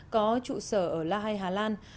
có trụ sở ở la hay hà lan